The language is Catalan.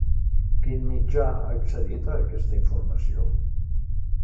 Quin mitjà ha accedit a aquesta informació?